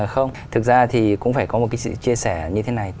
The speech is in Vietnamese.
không thực ra thì cũng phải có một cái sự chia sẻ như thế này